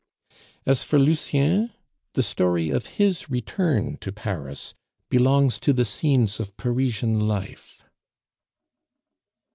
As for Lucien, the story of his return to Paris belongs to the Scenes of Parisian life.